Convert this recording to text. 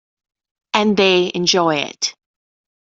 And they enjoy it.